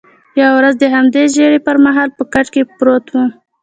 یوه ورځ د همدې ژېړي پر مهال په کټ کې پروت وم.